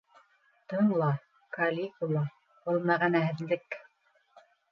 Тыңла, Калигула, был мәғәнәһеҙлек.